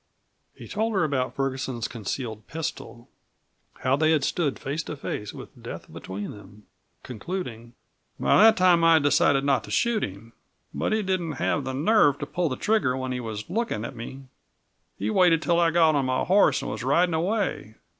He told her about Ferguson's concealed pistol; how they had stood face to face with death between them, concluding: "By that time I had decided not to shoot him. But he didn't have the nerve to pull the trigger when he was looking at me. He waited until I'd got on my horse and was riding away.